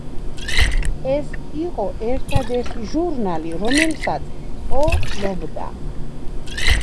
ეს იყო ერთადერთი ჟურნალი, რომელსაც პო ფლობდა.